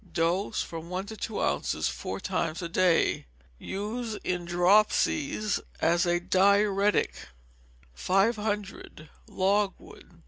Dose, from one to two ounces, four times a day. Use in dropsies, as a diuretic. 500. Logwood.